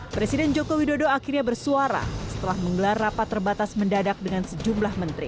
presiden joko widodo akhirnya bersuara setelah menggelar rapat terbatas mendadak dengan sejumlah menteri